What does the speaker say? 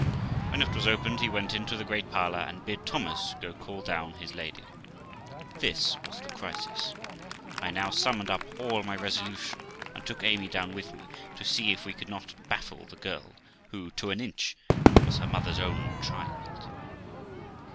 When it was opened, he went into the great parlour, and bid Thomas go call down his lady. This was the crisis. I now summoned up all my resolution, and took Amy down with me, to see if we could not baffle the girl, who, to an inch, was her mother's own child.